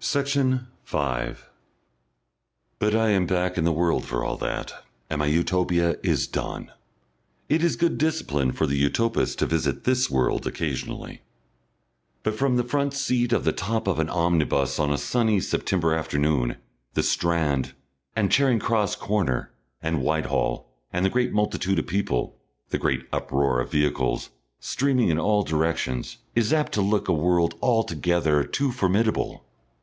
Section 5 But I am back in the world for all that, and my Utopia is done. It is good discipline for the Utopist to visit this world occasionally. But from the front seat on the top of an omnibus on a sunny September afternoon, the Strand, and Charing Cross corner, and Whitehall, and the great multitude of people, the great uproar of vehicles, streaming in all directions, is apt to look a world altogether too formidable.